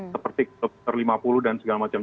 seperti dokter lima puluh dan segala macam